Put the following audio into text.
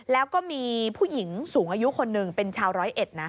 แล้วก็มีผู้หญิงสูงอายุคนหนึ่งเป็นชาวร้อยเอ็ดนะ